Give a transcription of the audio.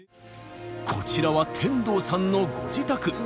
こちらは天童さんのご自宅。